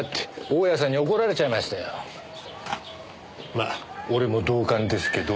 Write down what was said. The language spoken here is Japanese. まあ俺も同感ですけど。